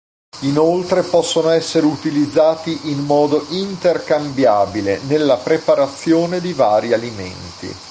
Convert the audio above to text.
Inoltre possono essere utilizzati in modo intercambiabile nella preparazione di vari alimenti.